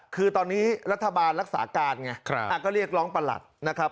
คือตอนนี้รัฐบาลรักษาการไงก็เรียกร้องประหลัดนะครับ